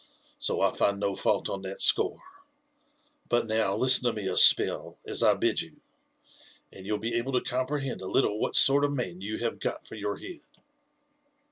So I find no fault on that score. But now, listen to me a spell, as I bid you, and you'll be able to comprehend a little what sort of a man you have sot for your head.